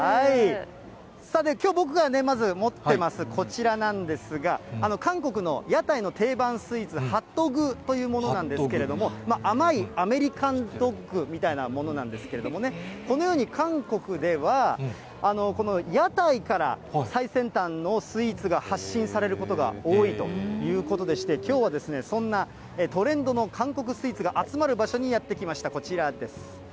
さて、きょう僕がまず持ってますこちらなんですが、韓国の屋台の定番スイーツ、ハットグというものなんですけれども、甘いアメリカンドッグみたいなものなんですけれどもね、このように韓国では、この屋台から最先端のスイーツが発信されることが多いということでして、きょうは、そんなトレンドの韓国スイーツが集まる場所にやって来ました、こちらです。